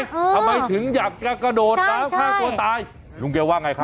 เออทำไมถึงอยากจะกระโดดใช่ใช่ฆ่าตัวตายลุงเกียวว่าไงครับ